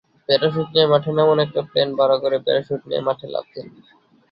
Parachute নিয়ে মাঠে নামুনএকটা plane ভাড়া করে প্যারাস্যুট নিয়ে মাঠে লাফ দিন।